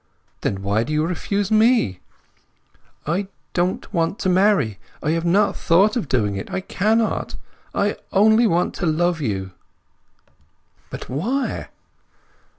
"Then why do you refuse me?" "I don't want to marry! I have not thought of doing it. I cannot! I only want to love you." "But why?"